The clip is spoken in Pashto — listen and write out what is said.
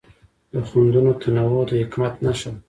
د خوندونو تنوع د حکمت نښه ده.